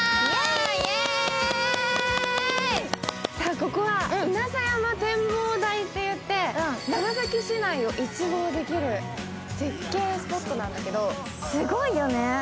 ここは稲佐山展望台といって、長崎市内を一望できる絶景スポットなんだけど、すごいよね。